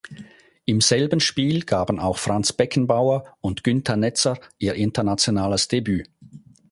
Im selben Spiel gaben auch Franz Beckenbauer und Günter Netzer ihr internationales Debüt.